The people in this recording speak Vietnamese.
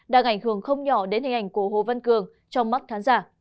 đang ảnh hưởng không nhỏ đến hình ảnh của hồ văn cường trong mắt khán giả